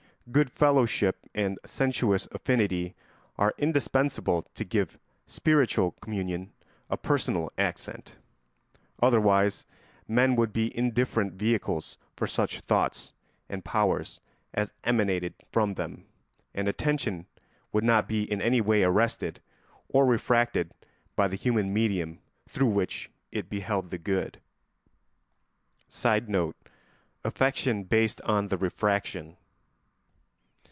Good fellowship and sensuous affinity are indispensable to give spiritual communion a personal accent; otherwise men would be indifferent vehicles for such thoughts and powers as emanated from them, and attention would not be in any way arrested or refracted by the human medium through which it beheld the good. [Sidenote: Affection based on the refraction.